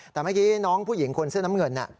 แต่เมื่อกี้น้องผู้หญิงคนเสื้อน้ำเงิน